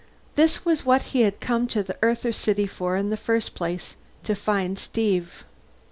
This was what he had come to the Earther city for in the first place to find Steve.